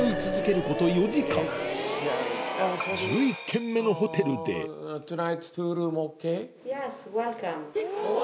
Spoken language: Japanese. １１軒目のホテルでおぉ！